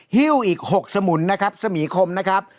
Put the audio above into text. ฮิ้วอีก๖สมุนนะครับสมีคมนะครับ